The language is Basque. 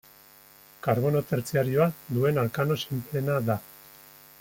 Karbono tertziarioa duen alkano sinpleena da.